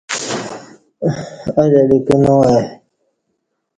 الی الی کنا ای